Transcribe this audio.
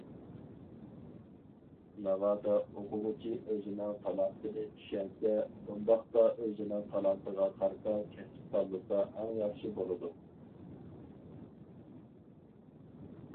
ناۋادا ئوقۇغۇچى ئۆزىنىڭ تالانتىنى چۈشەنسە، ئۇنداقتا ئۆزىنىڭ تالانتىغا قارىتا كەسىپ تاللىسا ئەڭ ياخشى بولىدۇ.